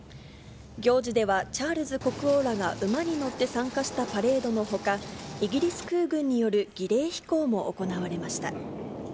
行事では、チャールズ国王らが馬に乗って参加したパレードのほか、イギリス空軍による儀礼飛行も行われました。